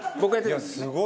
すごい！